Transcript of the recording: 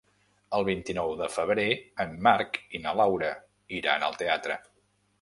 El vint-i-nou de febrer en Marc i na Laura iran al teatre.